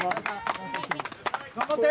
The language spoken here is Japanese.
頑張って。